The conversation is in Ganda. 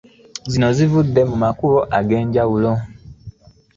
Zino zivudde mu makubo ag'enjawulo.